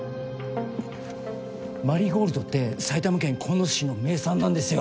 マリーゴールドって埼玉県鴻巣市の名産なんですよ